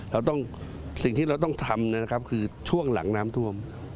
เราต้องสิ่งที่เราต้องทำนะครับคือช่วงหลังน้ำท่วม